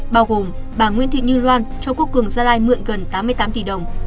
bao gồm bà nguyễn thị như loan cho quốc cường gia lai mượn gần tám mươi tám tỷ đồng